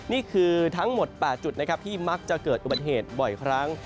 นี่คือทั้งหมด๘จุดนะครับที่มักจะเกิดอุบัติเหตุบ่อยครั้ง